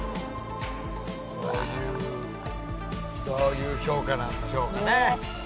どういう評価なんでしょうかね。